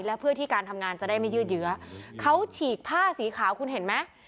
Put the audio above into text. และเพื่อที่การทำงานจะได้ไม่ยืดเยื้อเขาฉีกผ้าสีขาวคุณเห็นไหม